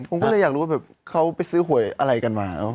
ผมก็เลยอยากรู้ว่าแบบเขาไปซื้อหวยอะไรกันมา